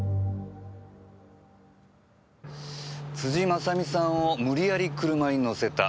辻正巳さんを無理やり車に乗せた。